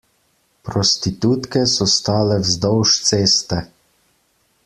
Prostitutke so stale vzdolž ceste.